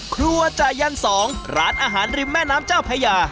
ครัวจ่ายัน๒ร้านอาหารริมแม่น้ำเจ้าพญา